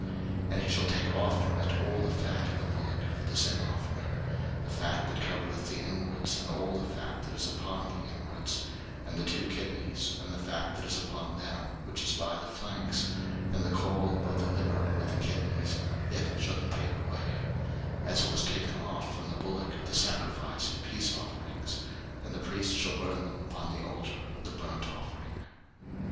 03:004:008 And he shall take off from it all the fat of the bullock for the sin offering; the fat that covereth the inwards, and all the fat that is upon the inwards, 03:004:009 And the two kidneys, and the fat that is upon them, which is by the flanks, and the caul above the liver, with the kidneys, it shall he take away, 03:004:010 As it was taken off from the bullock of the sacrifice of peace offerings: and the priest shall burn them upon the altar of the burnt offering.